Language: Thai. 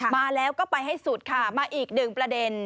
มาแล้วก็ไปให้สุดค่ะมาอีกหนึ่งประเด็น